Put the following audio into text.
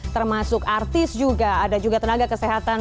termasuk artis juga ada juga tenaga kesehatan